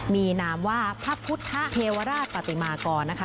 มีนามว่าพระพุทธเทวราชปฏิมากรนะคะ